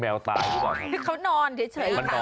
มันนอนใช่ไหม